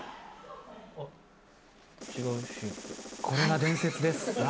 これが伝説です。